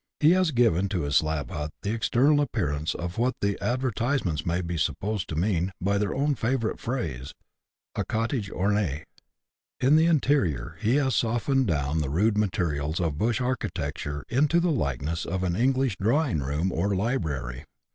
He has given to his slab hut the external appearance of what the adver tisements may be supposed to mean by their own favourite phrase, a cottage ornee. In the interior he has softened down the rude materials of bush architecture into the likeness of an English drawing room or library.